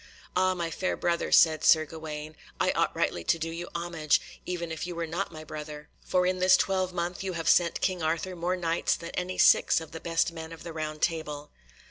"Ah, my fair brother," said Sir Gawaine, "I ought rightly to do you homage, even if you were not my brother, for in this twelvemonth you have sent King Arthur more Knights than any six of the best men of the Round Table."